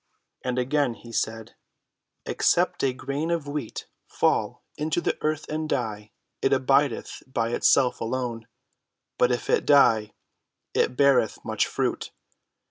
And again he said: "Except a grain of wheat fall into the earth and die, it abideth by itself alone; but if it die, it beareth much fruit.